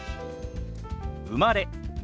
「生まれ」。